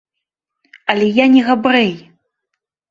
Але я не габрэй.